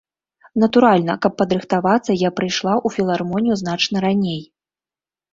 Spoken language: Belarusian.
Натуральна, каб падрыхтавацца, я прыйшла ў філармонію значна раней.